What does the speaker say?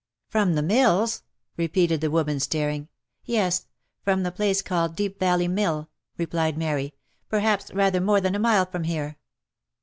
" From the mills V repeated the woman staring " Yes ; from the place called Deep Valley Mill," replied Mary, " perhaps rather more than a mile from here."